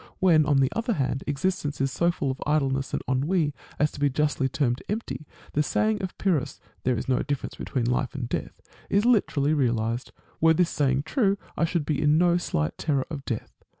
When, on the other hand, existence is so full of idleness and ennui as to be justly termed empty, the saying of Pyrrhus, " there is no difference between life and death," is literally realised. Were this saying true, I should be in no slight terror of death.